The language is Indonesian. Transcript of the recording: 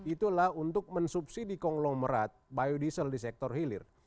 itulah untuk mensubsidi konglomerat biodiesel di sektor hilir